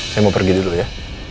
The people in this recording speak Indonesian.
saya mau pergi dulu ya